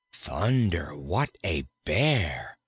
"Thunder! what a Bear!"